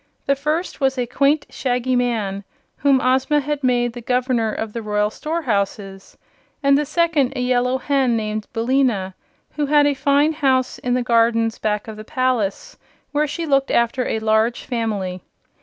The first was a quaint Shaggy Man, whom Ozma had made the Governor of the Royal Storehouses, and the second a Yellow Hen named Billina, who had a fine house in the gardens back of the palace, where she looked after a large family.